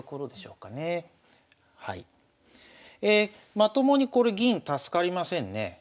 まともにこれ銀助かりませんね。